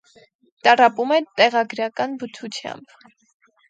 Տառապում է տեղագրական բթությամբ։